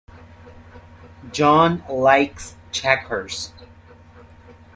John likes checkers.